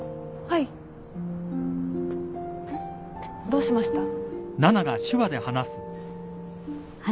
えっどうしました？